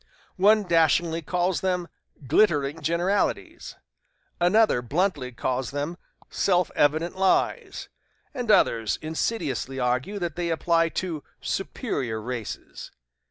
One dashingly calls them 'glittering generalities.' Another bluntly calls them 'self evident lies.' And others insidiously argue that they apply to 'superior races.'